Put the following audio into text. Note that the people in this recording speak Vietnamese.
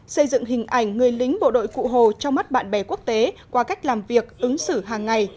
xây dựng hình ảnh người lính bộ đội cụ hồ trong mắt bạn bè quốc tế qua cách làm việc ứng xử hàng ngày